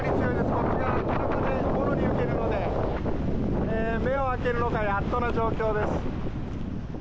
ここは風をもろに受けるので目を開けるのがやっとな状況です。